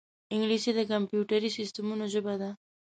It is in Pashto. انګلیسي د کمپیوټري سیستمونو ژبه ده